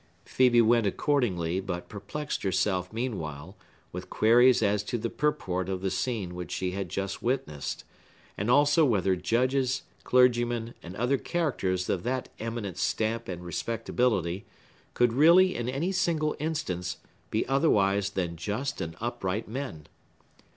Phœbe went accordingly, but perplexed herself, meanwhile, with queries as to the purport of the scene which she had just witnessed, and also whether judges, clergymen, and other characters of that eminent stamp and respectability, could really, in any single instance, be otherwise than just and upright men.